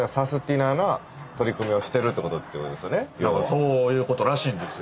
そういうことらしいんですよ。